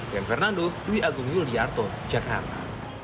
ben fernando rui agung yuliar jakarta